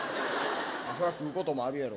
そら食うこともあるやろ。